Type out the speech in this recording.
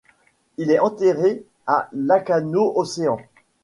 Il est enterré à Lacanau océan.